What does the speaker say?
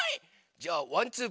じゃあ「ワンツー！